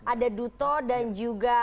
ada duto dan juga